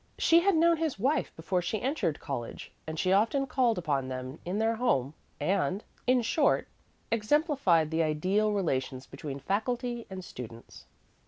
She had known his wife before she entered college, and she often called upon them in their home, and, in short, exemplified the ideal relations between faculty and students.